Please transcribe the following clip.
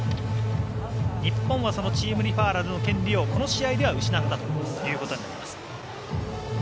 日本はそのチームリファーラルの権利をこの試合では失ったということになります。